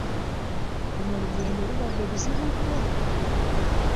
Luno olugendo lubadde luzibu nnyo.